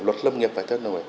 luật lâm nghiệp phải thay đổi